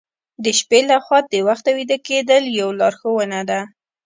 د شپې له خوا د وخته ویده کیدل یو لارښوونه ده.